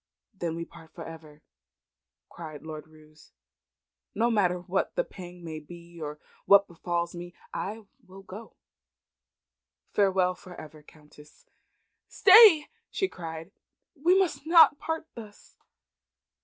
"Then we part for ever," cried Lord Roos. "No matter what the pang may be nor what befals me I will go. Farewell for ever, Countess!" "Stay!" she cried. "We must not part thus."